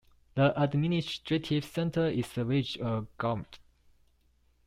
The administrative centre is the village of Gaupne.